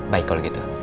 baik kalau gitu